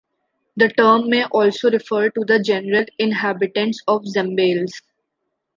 The term may also refer to the general inhabitants of Zambales.